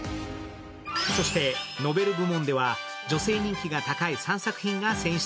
そしてノベル部門では、女性人気が高い三作品が選出。